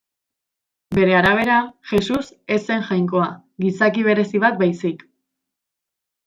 Bere arabera, Jesus ez zen Jainkoa, gizaki berezi bat baizik.